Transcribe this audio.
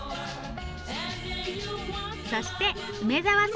そして梅沢さん